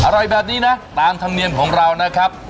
อร่อยแบบนี้นะตามธรรมเนียมของเรานะครับ